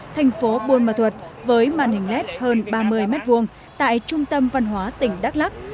thành phố buôn ma thuật với màn hình led hơn ba mươi m hai tại trung tâm văn hóa tỉnh đắk lắc